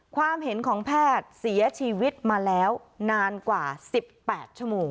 ความเห็นของแพทย์เสียชีวิตมาแล้วนานกว่า๑๘ชั่วโมง